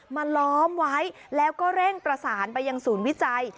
ล้อมไว้แล้วก็เร่งประสานไปยังศูนย์วิจัย